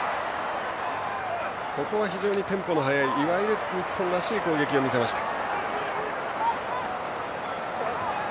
ここは非常にテンポの速い日本らしい攻撃を見せました。